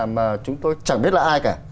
mà chúng tôi chẳng biết là ai cả